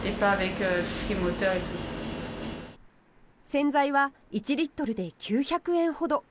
洗剤は１リットルで９００円ほど。